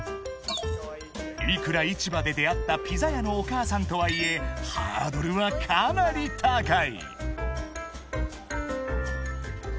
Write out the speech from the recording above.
［いくら市場で出会ったピザ屋のお母さんとはいえハードルはかなり高い］